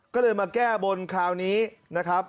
ก็เลยมาแก้บนคราวนี้นะครับ